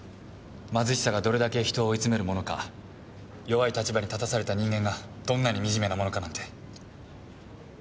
貧しさがどれだけ人を追い詰めるものか弱い立場に立たされた人間がどんなに惨めなものかなんて。